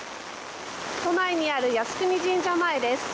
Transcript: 都内にある靖国神社前です。